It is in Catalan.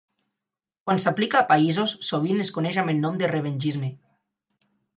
Quan s'aplica a països, sovint es coneix amb el nom de revengisme.